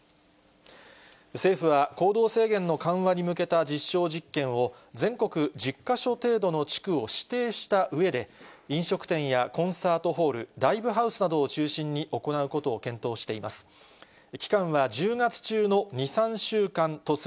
政府は、行動制限の緩和に向けた実証実験を、全国１０か所程度の地区を指定したうえで、飲食店やコンサートホール、ライブハウスなどを中心に行うことを検討しています。